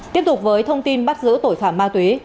tiếp tục với thông tin bắt giữ tội phạm ma túy